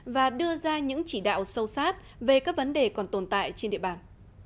và đưa ra những chỉ đạo sâu sát về các vấn đề còn tồn tại trên địa bàn